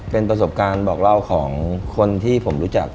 เป็นประสบการณ์บอกเล่าของคนที่ผมรู้จัก